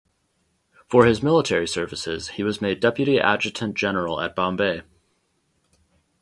For his military services he was made Deputy Adjutant-General at Bombay.